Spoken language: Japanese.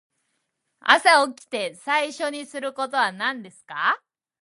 朝起きて最初にすることは何ですか。